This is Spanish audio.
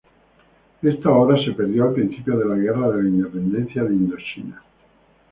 Ésta obra se perdió al principio de la Guerra de la Independencia de Indochina.